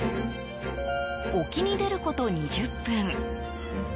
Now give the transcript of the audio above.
沖に出ること２０分。